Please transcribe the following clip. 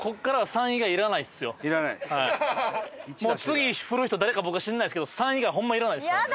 次振る人誰か僕は知らないですけど「３」以外ホンマいらないですからね！